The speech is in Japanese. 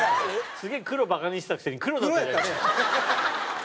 すげえ黒バカにしてたくせに黒だったじゃん。